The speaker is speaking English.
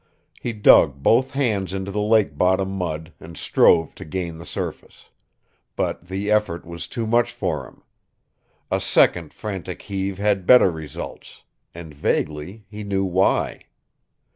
He dug both hands into the lake bottom mud and strove to gain the surface. But the effort was too much for him. A second frantic heave had better results. And vaguely he knew why.